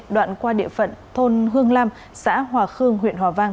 đoạn qua địa phận thôn hương lam xã hòa khương huyện hòa vang